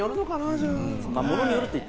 じゃあ。